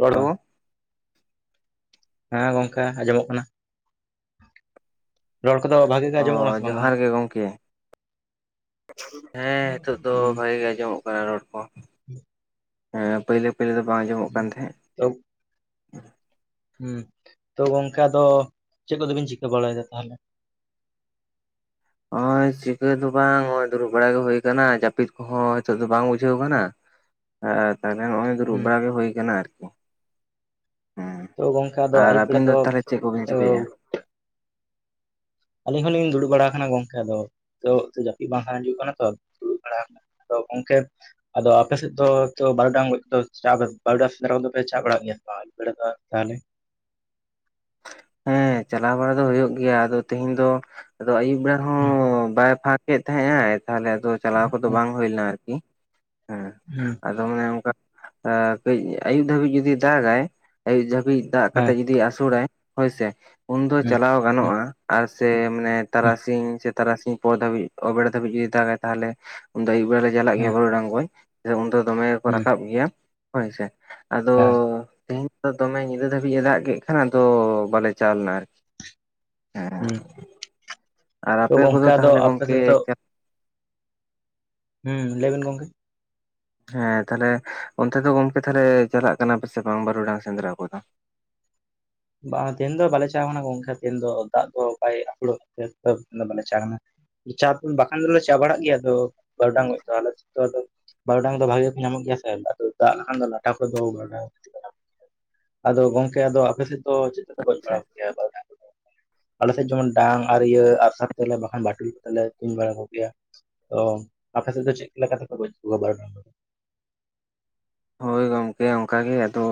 ᱨᱚᱲ ᱦᱮᱞᱳ ᱵᱟᱝ ᱦᱮᱸ ᱜᱚᱢᱠᱮ ᱟᱸᱡᱚᱢᱚᱜ ᱠᱟᱱᱟ ᱨᱚᱲ ᱠᱚᱫᱚ ᱵᱷᱟᱜᱮ ᱜᱮ ᱚ ᱟᱸᱡᱚᱢᱚᱜ ᱠᱟᱱᱟ ᱥᱮ ᱵᱟᱝ ᱡᱚᱦᱟᱨ ᱜᱮ ᱜᱚᱢᱠᱮ ᱦᱮᱸ ᱱᱤᱛᱳᱜ ᱫᱚ ᱦᱩᱸ ᱵᱷᱟᱜᱮ ᱜᱮ ᱟᱸᱡᱚᱢᱚᱜ ᱠᱟᱱᱟ ᱨᱚᱲ ᱠᱚ [inaudible] ᱯᱟᱹᱭᱞᱟᱹ ᱯᱟᱹᱭᱞᱟᱹ ᱫᱚ ᱵᱟᱝ ᱟᱸᱡᱚᱢᱚᱜ ᱠᱟᱱ ᱦᱩᱸ ᱛᱟᱦᱮᱸᱫ [unintelligible] ᱦᱮᱸ ᱛᱚ ᱜᱚᱝᱠᱮ ᱟᱫᱚ ᱪᱮᱫ ᱠᱚᱫᱚᱵᱤᱱ ᱪᱤᱠᱟᱹ ᱵᱟᱲᱟᱭᱫᱟ ᱛᱟᱦᱞᱮ ᱱᱚᱜ-ᱚᱭ ᱪᱤᱠᱟᱹ ᱫᱚ ᱵᱟᱝ ᱱᱚᱜ-ᱚᱭ ᱫᱩᱲᱩᱵ ᱵᱟᱲᱟ ᱜᱮ ᱦᱚᱭ ᱠᱟᱱᱟ ᱡᱟᱹᱯᱤᱫ ᱠᱚᱦᱚᱸ ᱦᱤᱛᱚᱜ ᱫᱚ ᱵᱟᱝ ᱵᱩᱡᱷᱟᱹᱣ ᱠᱟᱱᱟ ᱛᱟᱦᱞᱮ ᱱᱚᱜᱼᱚᱭ ᱫᱩᱲᱩᱵ ᱦᱩᱸ ᱵᱟᱲᱟ ᱜᱮ ᱦᱳᱭ ᱠᱟᱱᱟ ᱟᱨᱠᱤ ᱦᱮᱸ ᱛᱚ ᱜᱚᱢᱠᱮ ᱟᱫᱚ ᱟᱨ ᱟᱹᱭᱩᱵ ᱵᱮᱲᱟ ᱟᱹᱵᱤᱱ ᱫᱚ ᱛᱟᱦᱚᱞᱮ ᱪᱮᱫ ᱠᱚᱵᱤᱱ ᱪᱤᱠᱟᱹᱭᱮᱫᱼᱟ ᱟᱹᱞᱤᱧ ᱦᱚᱸᱞᱤᱧ ᱫᱩᱲᱩᱵ ᱵᱟᱲᱟ ᱠᱟᱱᱟ ᱜᱚᱝᱠᱮ ᱟᱫᱚ ᱡᱟᱹᱯᱤᱫ ᱵᱟᱝ ᱦᱤᱡᱩᱜ ᱠᱟᱱᱟ ᱛᱚ ᱫᱩᱲᱩᱵ ᱵᱟᱲᱟ ᱠᱟᱱᱟ ᱛᱚ ᱜᱚᱢᱠᱮ ᱟᱫᱚ ᱟᱯᱮᱥᱮᱫ ᱫᱚ ᱵᱟᱨᱩᱰᱟᱝ ᱪᱟ ᱵᱟᱨᱩᱴᱟᱝ ᱥᱮᱸᱫᱽᱨᱟ ᱠᱷᱚᱱ ᱫᱚᱯᱮ ᱪᱟ ᱵᱟᱲᱟᱜᱮᱫ ᱜᱮᱭᱟ ᱵᱟᱝ ᱟ. ᱭᱩᱵ ᱵᱮᱲᱟ ᱫᱚ ᱛᱟᱦᱚᱞᱮ ᱦᱮᱸ ᱪᱟᱞᱟᱣ ᱵᱟᱲᱟ ᱫᱚ ᱦᱳᱭᱳᱜ ᱜᱮᱭᱟ ᱟᱫᱚ ᱛᱮᱦᱮᱧ ᱫᱚ ᱟᱫᱚ ᱟᱹᱭᱩᱵ ᱵᱮᱲᱟ ᱦᱚᱸ ᱦᱮᱸ ᱳ [unintelligible] ᱵᱟᱭ ᱯᱷᱟᱠᱮᱫ ᱛᱟᱦᱮ ᱟᱭ ᱛᱟᱦᱚᱞᱮ ᱟᱫᱚ ᱪᱟᱞᱟᱣ ᱠᱚᱫᱚ ᱵᱟᱝ ᱦᱳᱭ ᱞᱮᱱᱟ ᱟᱨᱠᱤ ᱦᱮᱸ ᱫᱟᱢᱮ ᱚᱱᱠᱟ ᱠᱟᱹᱡ ᱟᱭᱩᱵ ᱫᱷᱟᱹᱵᱤᱡ ᱡᱩᱫᱤ ᱫᱟᱜᱟᱭ ᱟᱹᱭᱩᱵ ᱫᱷᱟᱹᱵᱤᱡ ᱫᱟᱜ ᱦᱮᱸ ᱠᱟᱛᱮᱫ ᱡᱩᱫᱤᱭ ᱟᱥᱳᱲᱟᱭ ᱦᱚᱭᱥᱮ ᱩᱱᱫᱚ ᱦᱩᱸ ᱪᱟᱞᱟᱣ ᱦᱩᱸ ᱜᱟᱱᱚᱜᱼᱟ ᱟᱨ ᱥᱮ ᱢᱟᱱᱮ ᱦᱩᱸ ᱛᱟᱨᱟᱥᱤᱧ ᱥᱮ ᱛᱟᱨᱟᱥᱤᱧ ᱯᱚᱨ ᱫᱷᱟᱹᱵᱤᱡ ᱚᱵᱮᱲᱟ ᱫᱷᱟᱹᱵᱤᱡ ᱫᱟᱜᱟᱭ ᱛᱟᱦᱚᱞᱮ ᱩᱱ ᱫᱚ ᱟᱹᱭᱩᱵ ᱵᱮᱲᱟ ᱞᱮ ᱪᱟᱞᱟᱜ ᱜᱮᱭᱟ ᱵᱟ. ᱨᱩᱰᱟᱝ ᱜᱚᱡ ᱩᱱᱫᱚ ᱫᱚᱢᱮ ᱜᱮᱠᱚ ᱦᱮᱸ ᱦᱮᱸ ᱨᱟᱠᱟᱵ ᱜᱮᱭᱟ ᱦᱳᱭᱥᱮ ᱟᱫᱚ ᱦᱮᱸ ᱛᱮᱦᱮᱧ ᱫᱚ ᱫᱚᱢᱮ ᱧᱤᱫᱟᱹ ᱫᱷᱟᱹᱵᱤᱡ ᱮ ᱫᱟᱜ ᱠᱮᱫ ᱠᱷᱟᱱ ᱟᱫᱚ ᱵᱟᱞᱮ ᱪᱟᱣ ᱞᱮᱱᱟ ᱟᱨᱠᱤ ᱦᱮᱸ ᱦᱩᱸ ᱟᱨ ᱟᱯᱮ ᱠᱚᱫᱚ ᱛᱟᱦᱚᱞᱮ ᱟᱯᱮ ᱜᱚᱢᱠᱮ ᱥᱮᱫ ᱫᱚ ᱦᱮᱸ ᱞᱟᱹᱭᱵᱮᱱ ᱜᱚᱝᱠᱮ ᱦᱮᱸ ᱛᱟᱦᱞᱮ ᱚᱱᱛᱮ ᱫᱚ ᱜᱚᱝᱠᱮ ᱛᱟᱦᱚᱞᱮ ᱪᱟᱞᱟᱜ ᱠᱟᱱᱟ ᱥᱮ ᱵᱟᱝ ᱵᱟᱨᱩᱰᱟᱝ ᱥᱮᱸᱫᱽᱨᱟ ᱠᱚᱫᱚ ᱵᱟᱝ ᱛᱮᱦᱮᱱ ᱫᱚ ᱵᱟᱞᱮ ᱪᱟᱞᱟ ᱠᱟᱱᱟ ᱜᱚᱢᱠᱮ ᱛᱮᱦᱮᱱ ᱫᱚ ᱫᱟᱜ ᱠᱚ ᱵᱟᱭᱯᱷᱚᱲᱚᱜ ᱫᱚ ᱵᱟᱞᱮ ᱪᱟᱞᱟ ᱠᱟᱱᱟ ᱪᱟ ᱵᱟᱠᱷᱟᱱ ᱫᱚᱞᱮ ᱪᱟ ᱵᱟᱲᱟᱜ ᱜᱮᱭᱟ ᱛᱳ ᱵᱟ. ᱨᱩᱰᱟᱝ ᱜᱚᱡ ᱫᱚ ᱟᱞᱮ ᱥᱮᱫ ᱫᱚ ᱟᱫᱚ ᱵᱟ. ᱨᱩᱰᱟᱝ ᱫᱚ ᱵᱷᱟᱜᱮ ᱜᱮᱠᱚ ᱧᱟᱢᱚᱜ ᱜᱮᱭᱟ ᱥᱮ ᱫᱟᱜ ᱞᱮᱠᱷᱟᱱ ᱫᱚ ᱞᱟᱴᱷᱟ ᱠᱚᱫᱚ ᱵᱟ. ᱨᱩᱰᱟᱝ ᱟᱫᱚ ᱜᱚᱝᱠᱮ ᱟᱫᱚ ᱟᱯᱮ ᱥᱮᱫ ᱫᱚ ᱪᱮᱫ ᱛᱮᱯᱮ ᱜᱚᱡ ᱵᱟᱲᱟ ᱠᱚ ᱜᱮᱭᱟ ᱟᱞᱮ ᱥᱮᱫ ᱡᱮᱢᱚᱱ ᱰᱟᱝ ᱟᱨ ᱤᱭᱟᱹ ᱟᱜᱥᱟᱨ ᱛᱮᱞᱮ ᱵᱟᱠᱷᱟᱱ ᱵᱟᱹᱴᱩᱞ ᱛᱮᱞᱮ ᱛᱩᱧ ᱵᱟᱲᱟ ᱠᱚᱜᱮᱭᱟ ᱛᱚ ᱟᱯᱮ ᱥᱮᱫ ᱫᱚ ᱪᱮᱫ ᱞᱮᱠᱟᱛᱮ ᱯᱮ ᱜᱚᱡ ᱠᱚᱣᱟ ᱵᱟ. ᱨᱩᱰᱟᱝ ᱦᱚᱭ ᱜᱚᱝᱠᱮ ᱚᱱᱠᱟᱜᱮ ᱟᱫᱚ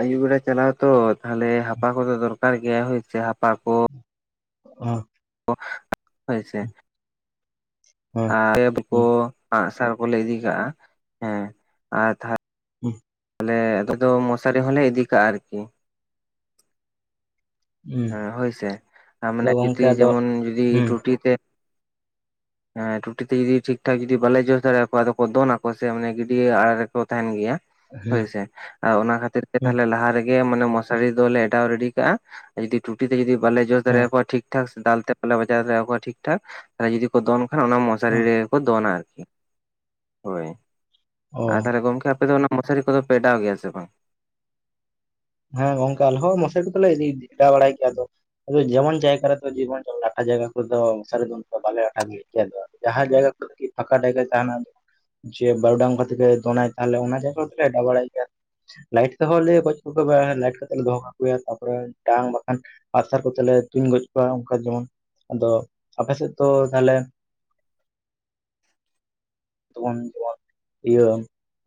ᱟᱹᱭᱩᱵ ᱵᱮᱲᱟ ᱪᱟᱞᱟᱣ ᱛᱚ ᱛᱟᱦᱚᱞᱮ ᱦᱟᱯᱟ ᱠᱚᱫᱚ ᱫᱚᱨᱠᱟᱨ ᱟᱨ ᱜᱮᱭᱟ ᱥᱮ ᱦᱟᱯᱟ ᱠᱚ ᱦ [unintelligible] [unintelligible] ᱦᱳᱭ ᱥᱮ᱾ [inaudible] ᱟᱨ [unintelligible] ᱠᱚ ᱦᱩᱸ ᱟᱜᱥᱟᱨ ᱠᱚᱞᱮ ᱤᱫᱤ ᱠᱟᱜᱼᱟ ᱦᱮᱸ ᱟᱨ ᱛᱟᱦᱚᱞᱮ ᱦᱮᱸ ᱟᱞᱮ ᱠᱚ ᱫᱚ ᱢᱚᱥᱟᱨᱤ ᱦᱚᱸᱞᱮ ᱤᱫᱤ ᱠᱟᱜᱼᱟ ᱟᱨᱠᱤ᱾ ᱦᱩᱸ ᱦᱮᱸ ᱦᱳᱭᱥᱮ ᱟᱨ ᱟᱫᱚ ᱢᱟᱱᱮ ᱜᱚᱝᱠᱮ ᱡᱩᱫᱤ ᱟᱫᱚ ᱡᱮᱢᱚᱱ ᱡᱩᱫᱤ ᱦᱩᱸ ᱴᱩᱴᱤ ᱛᱮ᱾ ᱦᱮᱸ ᱴᱩᱴᱤ ᱛᱮ ᱡᱩᱫᱤ ᱴᱷᱤᱠ ᱴᱷᱟᱠ ᱡᱩᱫᱤ ᱵᱟᱞᱮ ᱡᱚᱥ ᱫᱟᱲᱮᱭᱟᱠᱚᱣᱟ ᱟᱫᱚ ᱠᱚ ᱫᱚᱱ ᱟᱠᱚ ᱥᱮ ᱢᱟᱱᱮ ᱡᱩᱫᱤ ᱟᱲᱟ ᱨᱮᱠᱚ ᱛᱟᱦᱮᱱ ᱜᱮᱭᱟ᱾ ᱦᱩᱸ ᱦᱳᱭᱥᱮ ᱚᱱᱟ ᱠᱷᱟᱹᱛᱤᱨ ᱛᱮ ᱦᱩᱸ ᱛᱟᱦᱞᱮ ᱞᱟᱦᱟ ᱨᱮᱜᱮ ᱢᱚᱥᱟᱨᱤ ᱫᱚᱞᱮ ᱮᱰᱟᱣ ᱨᱮᱰᱤ ᱠᱟᱜᱼᱟ᱾ ᱡᱩᱫᱤ ᱴᱩᱴᱤ ᱛᱮ ᱡᱩᱫᱤ ᱵᱟᱞᱮ ᱡᱚᱥ ᱦᱮᱸ ᱫᱟᱲᱮᱭᱼᱟ ᱠᱚᱣᱟ ᱴᱷᱤᱠ ᱴᱷᱤᱠ ᱴᱷᱟᱠ ᱫᱟᱞ ᱛᱮ ᱯᱟᱞᱮ ᱵᱟᱡᱟᱣ ᱫᱟᱲᱮ ᱟᱠᱚᱣᱟ ᱴᱷᱤᱠ ᱴᱷᱟᱠ ᱛᱟᱦᱚᱞᱮ ᱡᱚᱫᱤ ᱠᱚ ᱫᱚᱱ ᱠᱷᱟᱱ ᱚᱱᱟ ᱢᱚᱥᱟᱨᱤ ᱦᱮᱸ ᱨᱮ ᱫᱚᱱᱟ ᱟᱨᱠᱤ ᱦᱳᱭ ᱚ ᱟᱨ ᱛᱟᱦᱚᱞᱮ ᱜᱚᱢᱠᱮ ᱟᱯᱮ ᱫᱚ ᱚᱱᱟ ᱢᱚᱥᱟᱨᱤ ᱠᱚᱫᱚ ᱯᱮ ᱮᱰᱟᱣ ᱜᱮᱭᱟ ᱥᱮ ᱵᱟᱝ? ᱦᱮᱸ ᱜᱚᱝᱠᱮ ᱟᱞᱮ ᱦᱚ ᱢᱟᱥᱟᱨᱤ ᱠᱚᱫᱚ ᱞᱮ ᱤᱫᱤ ᱮᱰᱟᱣ ᱵᱟᱲᱟᱭ ᱜᱮᱭᱟ ᱟᱫᱚ᱾ ᱟᱫᱚ ᱡᱮᱢᱚᱱ ᱡᱟᱭᱜᱟ ᱨᱮ ᱫᱚ ᱡᱤᱵᱚᱱ ᱡᱮ ᱞᱟᱴᱟ ᱡᱟᱭᱜᱟ ᱠᱚᱨᱮ ᱫᱚ ᱢᱚᱥᱟᱨᱤ ᱫᱚ ᱚᱱᱠᱟ ᱵᱟᱞᱮ ᱟᱹᱰᱟᱣ ᱜᱮᱭᱟ᱾ ᱴᱷᱤᱠ ᱜᱮ ᱟᱫᱚ ᱡᱟᱦᱟᱸ ᱡᱟᱭᱜᱟ ᱠᱚᱨᱮ ᱜᱮ ᱯᱷᱟᱸᱠᱟ ᱡᱟᱭᱜᱟ ᱛᱟᱦᱮᱱᱟ ᱡᱮ ᱵᱟ. ᱨᱩᱰᱟᱝ ᱠᱷᱟ. ᱛᱤᱨ ᱛᱮ ᱫᱚᱱᱟᱭ ᱛᱟᱦᱚᱞᱮ ᱚᱱᱟ ᱡᱟᱭᱜᱟ ᱨᱮᱫᱚ ᱞᱮ ᱟᱰᱟᱣ ᱵᱟᱲᱟᱭ ᱜᱮᱭᱟ ᱞᱟᱭᱤᱴ ᱛᱮᱦᱚᱸ ᱞᱮ ᱜᱚᱡ ᱛᱩᱠᱳ ᱠᱚᱨᱮ ᱞᱟᱭᱤᱴ ᱠᱟᱛᱮ ᱞᱮ ᱫᱚᱦᱚ ᱠᱟ᱾ ᱭᱟ ᱛᱟᱯᱚᱨᱮ ᱰᱟᱝ ᱵᱟᱠᱷᱟᱱ ᱟᱜᱥᱟᱨ ᱠᱚᱛᱮ ᱞᱮ ᱛᱩᱧ ᱜᱚᱡ ᱠᱚᱣᱟ᱾ ᱚᱱᱠᱟ ᱡᱮᱢᱚᱱ ᱟᱫᱚ ᱟᱯᱮ ᱥᱮᱫ ᱫᱚ ᱛᱟᱦᱚᱞᱮ ᱛᱚᱠᱷᱚᱱ ᱡᱮᱢᱚᱱ ᱤᱭᱟᱹ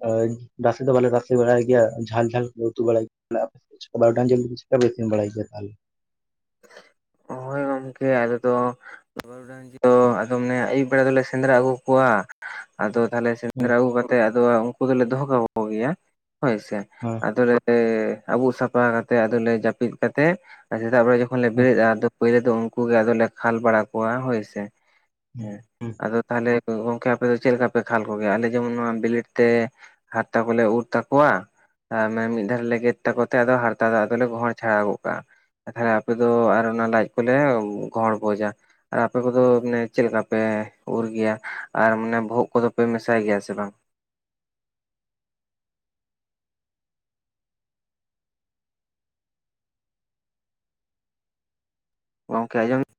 ᱦᱚᱭ ᱨᱟᱥᱮ ᱫᱚ ᱵᱟᱞᱮ ᱨᱟᱥᱮ ᱵᱟᱲᱟᱭ ᱜᱮᱭᱟ ᱡᱷᱟᱞ ᱡᱷᱟᱞ ᱞᱮ ᱩᱛᱩ ᱵᱟᱲᱟᱭ ᱜᱮᱭᱟ ᱞᱮ ᱟᱯᱮ ᱥᱮ ᱵᱟ. ᱨᱩᱰᱟᱝ ᱡᱮᱞ ᱪᱮᱠᱟ. ᱯᱮ ᱤᱥᱤᱱ ᱵᱟᱲᱟᱭ ᱜᱮᱭᱟ? ᱛᱟᱦᱚᱞᱮ ᱦᱳᱭ ᱜᱚᱢᱠᱮ ᱟᱞᱮ ᱫᱚ ᱟᱫᱚ ᱢᱟᱱᱮ ᱟᱹᱭᱩᱵ ᱵᱮᱲᱟ ᱫᱚᱞᱮ ᱥᱮᱸᱫᱽᱨᱟ ᱟᱹᱜᱩ ᱠᱚᱣᱟ᱾ ᱟᱫᱚ ᱛᱟᱦᱞᱮ ᱦᱮᱸ ᱥᱮᱸᱫᱽᱨᱟ ᱟᱹᱜᱩ ᱠᱟᱛᱮᱫ ᱟᱫᱚ ᱩᱱᱠᱩ ᱫᱚᱞᱮ ᱫᱚᱦᱚ ᱠᱟᱠᱚ ᱜᱮᱭᱟ᱾ ᱦᱳᱭ ᱥᱮ ᱦᱮᱸ ᱟᱫᱚᱞᱮ ᱟᱵᱩᱜ ᱥᱟᱯᱷᱟ ᱠᱟᱛᱮ ᱟᱫᱮ ᱡᱟᱹᱯᱤᱫ ᱠᱟᱛᱮ ᱥᱮᱛᱟᱜ ᱵᱮᱲᱟ ᱡᱚᱠᱷᱚᱱ ᱞᱮ ᱦᱩᱸ ᱵᱮᱨᱮᱫᱼᱟ᱾ ᱯᱳᱭᱞᱳ ᱫᱚ ᱩᱱᱠᱩ ᱜᱮ ᱟᱫᱚᱞᱮ ᱠᱷᱟᱞ ᱵᱟᱲᱟ ᱠᱚᱣᱟ᱾ ᱦᱳᱭ ᱥᱮ ᱦᱩᱸ ᱦᱮᱸ᱾ ᱦᱩᱸ᱾ ᱟᱫᱚ ᱛᱟᱦᱚᱞᱮ ᱜᱚᱝᱠᱮ ᱟᱯᱮ ᱫᱚ ᱪᱮᱫ ᱞᱮᱠᱟ ᱯᱮ ᱠᱷᱟᱞ ᱠᱚᱜᱮᱭᱟ? ᱟᱞᱮ ᱡᱮᱢᱚᱱ ᱱᱚᱣᱟ ᱵᱤᱞᱤᱰ ᱛᱮ ᱦᱟᱨᱛᱟ ᱠᱚᱞᱮ ᱩᱨ ᱛᱟᱠᱚᱣᱟ᱾ ᱟᱨ ᱢᱟᱱᱮ ᱢᱤᱫ ᱫᱷᱟᱣ ᱞᱮ ᱜᱮᱫ ᱛᱟᱠᱚᱛᱮ ᱦᱟᱨᱛᱟ ᱫᱚ ᱟᱫᱚᱞᱮ ᱜᱚᱦᱚᱲ ᱪᱷᱟᱲᱟᱣ ᱜᱚᱫ ᱠᱟᱜᱼᱟ᱾ ᱟᱨ ᱛᱟᱦᱚᱞᱮ ᱟᱯᱮ ᱫᱚ ᱟᱨ ᱚᱱᱟ ᱞᱟᱡ ᱠᱚᱞᱮ ᱜᱚᱦᱚᱲ ᱵᱚᱡᱼᱟ᱾ ᱟᱨ ᱟᱯᱮ ᱠᱚᱫᱚ ᱢᱟᱱᱮ ᱪᱮᱫ ᱞᱮᱠᱟ ᱯᱮ ᱩᱨ ᱜᱮᱭᱟ ᱟᱨ ᱢᱟᱱᱮ ᱵᱚᱦᱚᱜ ᱠᱚᱫᱚ ᱯᱮ ᱢᱮᱥᱟᱭ ᱜᱮᱭᱟ ᱥᱮ ᱵᱟᱝ? ᱜᱚᱢᱠᱮ ᱟᱸᱡᱚᱢ ᱮᱫ